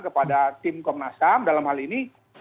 kepada tim komnas ham dalam hal ini